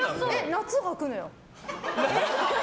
夏にはくのよ。